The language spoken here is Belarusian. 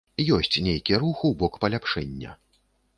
Ёсць нейкі рух у бок паляпшэння.